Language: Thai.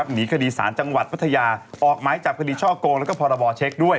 หนีคดีสารจังหวัดพัทยาออกไหมจากคดีช่อโกงและพรบเช็คด้วย